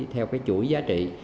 theo cái chuỗi giá trị